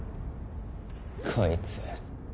こいつ。